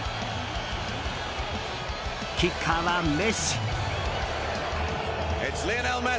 キッカーはメッシ。